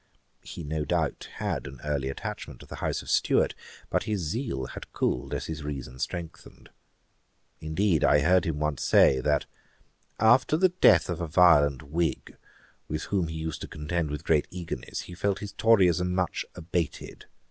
' He no doubt had an early attachment to the House of Stuart; but his zeal had cooled as his reason strengthened. Indeed I heard him once say, that 'after the death of a violent Whig, with whom he used to contend with great eagerness, he felt his Toryism much abated.'